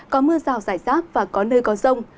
có mưa rào rải rác và có nơi có rông